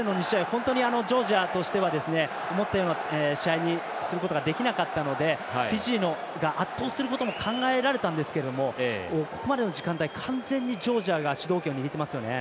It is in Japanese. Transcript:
本当にジョージアとしては思ったような試合にすることができなかったのでフィジーが圧倒することも考えられたんですがここまでの時間帯完全にジョージアが主導権を握っていますよね。